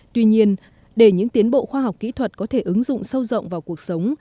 tuy nhiên để những tiến bộ khoa học kỹ thuật có thể ứng dụng sâu rộng vào cuộc sống